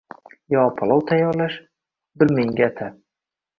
Yo palov tayyorlash, bir menga atab.